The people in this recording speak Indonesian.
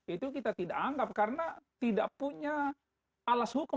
itu kita tidak anggap karena tidak punya alas hukum